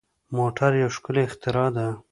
موټر یو ښکلی اختراع ده.